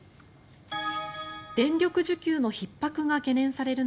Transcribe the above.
電力需給のひっ迫が懸念される